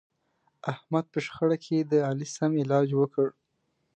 احمد په شخړه کې د علي سم علاج وکړ.